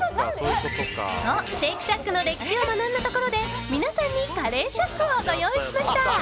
と、シェイクシャックの歴史を学んだところで皆さんにカレーシャックをご用意しました。